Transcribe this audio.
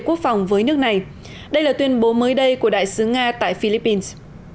quốc phòng với nước này đây là tuyên bố mới đây của đại sứ nga tại philippines